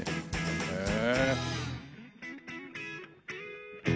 へえ。